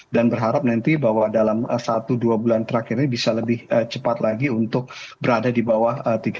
berharap nanti bahwa dalam satu dua bulan terakhir ini bisa lebih cepat lagi untuk berada di bawah tiga puluh